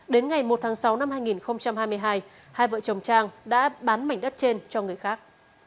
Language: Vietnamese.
đến ngày một tháng sáu năm hai nghìn hai mươi hai hai vợ chồng trang đã bán mảnh đất trên cho người khác